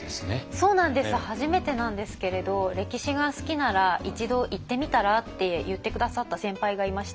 そうなんです初めてなんですけれど「歴史が好きなら一度行ってみたら？」って言って下さった先輩がいまして。